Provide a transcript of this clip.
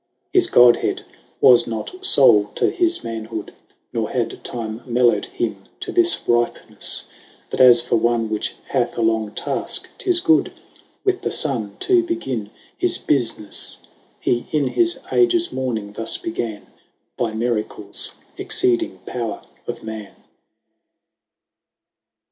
His Godhead was not foule to his manhood, Nor had time mellowed him to this ripenefle, 10 But as for one which hath a long taske, 'tis good, With the Sunne to beginne his bufmeffe, He in his ages morning thus began By miracles exceeding power of man.